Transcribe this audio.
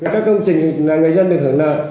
các công trình là người dân được hưởng nợ